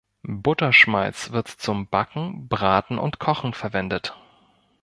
Butterschmalz wird zum Backen, Braten und Kochen verwendet.